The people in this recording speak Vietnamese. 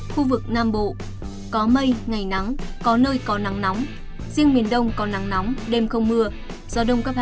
khu vực nam bộ có mây ngày nắng có nơi có nắng nóng riêng miền đông có nắng nóng đêm không mưa gió đông cấp hai